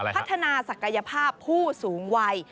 พัฒนาศักยภาพผู้สูงวัย